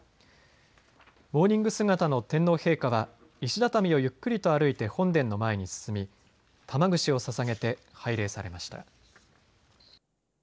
モーニング姿の天皇陛下は石畳をゆっくりと歩いて本殿の前に進み玉串をささげて拝礼されました。